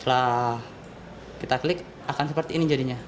setelah kita klik akan seperti ini jadinya